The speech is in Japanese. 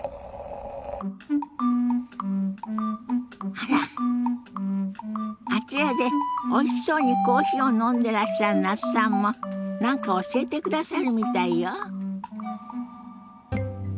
あらあちらでおいしそうにコーヒーを飲んでらっしゃる那須さんも何か教えてくださるみたいよ。